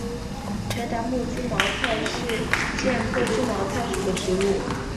柴达木猪毛菜是苋科猪毛菜属的植物。